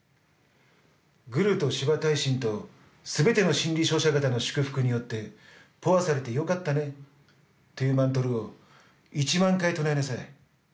「グルとシヴァ大神と全ての真理勝者方の祝福によってポアされてよかったね」というマントラを１万回唱えなさい。